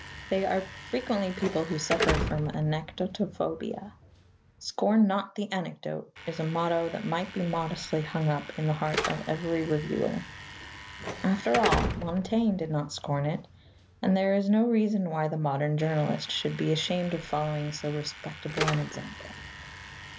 They are frequently people who suffer from anecdotophobia. "Scorn not the anecdote" is a motto that might be modestly hung up in the heart of every reviewer. After all, Montaigne did not scorn it, and there is no reason why the modern journalist should be ashamed of following so respectable an example.